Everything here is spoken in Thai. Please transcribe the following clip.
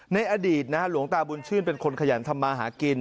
ในอดีตนะฮะหลวงตาบุญชื่นเป็นคนขยันทำมาหากิน